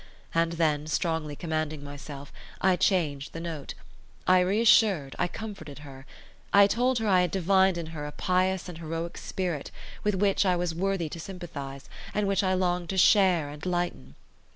And then, strongly commanding myself, I changed the note; I reassured, I comforted her; I told her I had divined in her a pious and heroic spirit, with which I was worthy to sympathise, and which I longed to share and lighten.